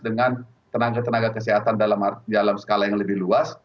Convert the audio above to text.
dengan tenaga tenaga kesehatan dalam skala yang lebih luas